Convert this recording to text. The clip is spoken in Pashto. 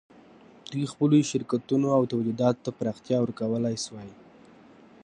دوی خپلو شرکتونو او تولیداتو ته پراختیا ورکولای شوای.